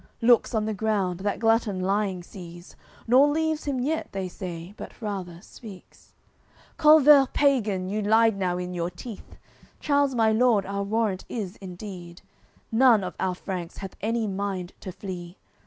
Looks on the ground, that glutton lying sees, Nor leaves him yet, they say, but rather speaks: "Culvert pagan, you lied now in your teeth, Charles my lord our warrant is indeed; None of our Franks hath any mind to flee.